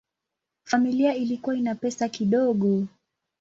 Familia ilikuwa ina pesa kidogo.